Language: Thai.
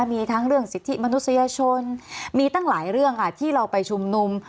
มีทั้งเรื่องสิทธิมนุษยชนมีตั้งหลายเรื่องที่เราไปชุมนุม